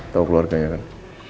tau keluarganya kan